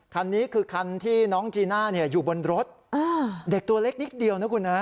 คันนี้คือคันที่น้องจีน่าอยู่บนรถเด็กตัวเล็กนิดเดียวนะคุณนะ